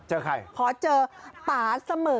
เจอใครขอเจอป่าเสมอ